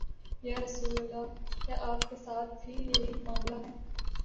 یا رسول اللہ، کیا آپ کے ساتھ بھی یہی معا ملہ ہے؟